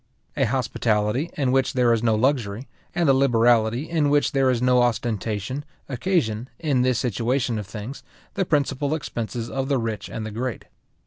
A hospitality in which there is no luxury, and a liberality in which there is no ostentation, occasion, in this situation of things, the principal expenses of the rich and the great.